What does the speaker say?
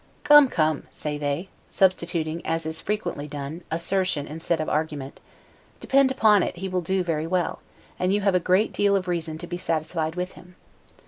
Come, come, say they (substituting, as is frequently done, assertion instead of argument), depend upon it he will do very well: and you have a great deal of reason to be satisfied with him.